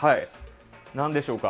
何でしょうか？